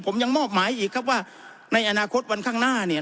ผมยังมอบหมายอีกครับว่าในอนาคตวันข้างหน้าเนี่ย